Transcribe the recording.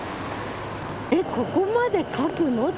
「えっここまで書くの？」っていう。